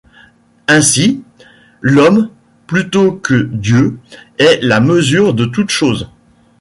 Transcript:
Ainsi, l'homme, plutôt que Dieu, est la mesure de toute chose.